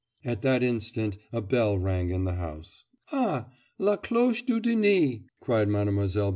At that instant a bell rang in the house. 'Ah! la cloche du diner!' cried Mlle.